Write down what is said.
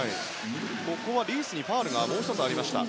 ここはリースにファウルがもう１つありました。